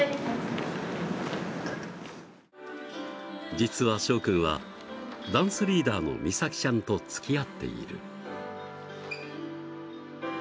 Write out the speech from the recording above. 実は、しょう君はダンスリーダーのみさきちゃんと付き合っている。